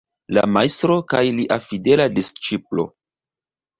La Majstro kaj lia fidela disĉiplo.